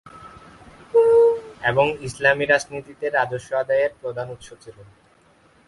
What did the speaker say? এবং ইসলামি রাজনীতিতে রাজস্ব আদায়ের প্রধান উৎস ছিল।